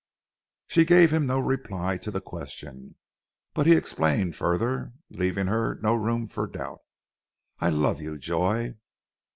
She gave him no reply to the question, but he explained further, leaving her no room for doubt. "I love you, Joy.